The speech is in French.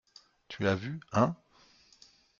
Tu as vu, hein?